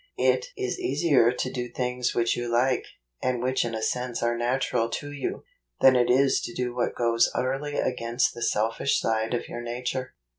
It is easier to do things which you like, and which in a sense are natural to you, than it is to do what goes utterly against the selfish side of your nature.